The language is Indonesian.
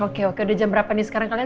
oke oke udah jam berapa nih sekarang kalian